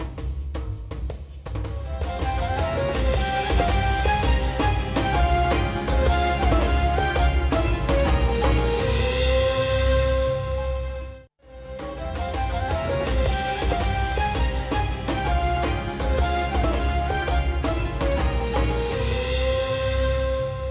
sampai jumpa lagi